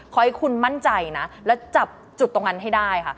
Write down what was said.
ขอให้คุณมั่นใจนะแล้วจับจุดตรงนั้นให้ได้ค่ะ